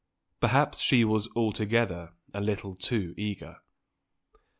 Perhaps she was altogether a little too eager.